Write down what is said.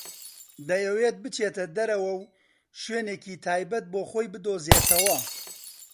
دەیەوێت بچێتە دەرەوە و شوێنێکی تایبەت بە خۆی بدۆزێتەوە.